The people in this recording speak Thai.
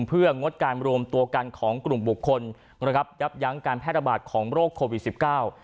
เพื่องว่างงดการรวมตัวการของกลุ่มบุคคลแยกยังการแพทยบาทของโรคโควิดสิบเก้า